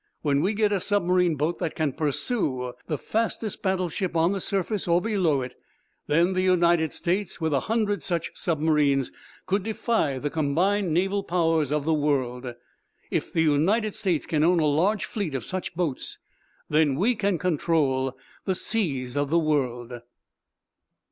When we get a submarine boat that can pursue the fastest battleship, on the surface or below it, then the United States, with a hundred such submarines, could defy the combined naval powers of the world. If the United States can own a large fleet of such boats, then we can control the seas of the world."